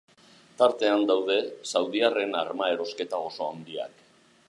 Tartean daude saudiarren arma erosketa oso handiak.